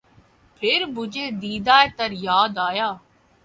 پھر مجھے دیدہٴ تر یاد آیا